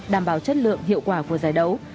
đảm bảo chất lượng hiệu quả của giải đấu